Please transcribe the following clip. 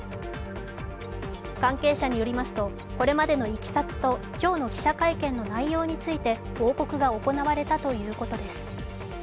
関係者によりますと、これまでのいきさつと今日の記者会見での内容について報告が行われたということです。